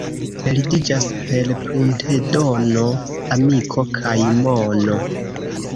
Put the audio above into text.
Perdiĝas per pruntedono amiko kaj mono.